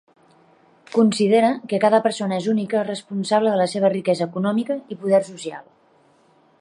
Considera que cada persona és única responsable de la seva riquesa econòmica i poder social.